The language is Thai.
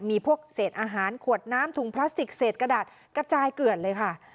มีพวกเศษอาหารขวดน้ำถุงพลาสติกเศษกระดาษกระจายเกลือนเลยค่ะ